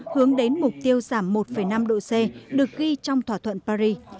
hướng đến mục tiêu giảm một năm độ c được ghi trong thỏa thuận paris